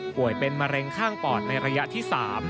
เป็นมะเร็งข้างปอดในระยะที่๓